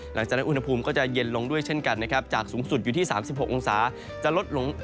หลังจากนั้นอุณหภูมิก็จะเย็นลงด้วยเช่นกันนะครับจากสูงสุดอยู่ที่๓๖องศาจะลดลง